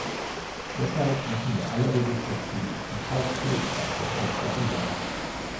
Deshalb müssen wir alle Register ziehen und hart durchgreifen, und zwar überall.